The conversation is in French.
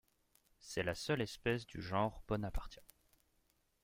C'est la seule espèce du genre Bonapartia.